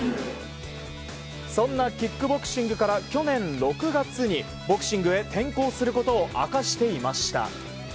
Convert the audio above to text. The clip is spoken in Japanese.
そんなキックボクシングから去年６月にボクシングへ転向することを明かしていました。